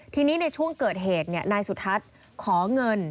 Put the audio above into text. ทีนี้ในช่วงเกิดเหตุนายสุทัศน์ขอเงิน